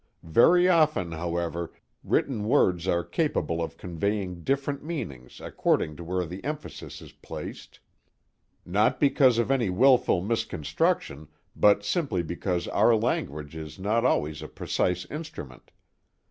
Very often, however, written words are capable of conveying different meanings according to where the emphasis is placed, not because of any willful misconstruction, but simply because our language is not always a precise instrument.